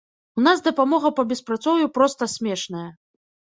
У нас дапамога па беспрацоўю проста смешная.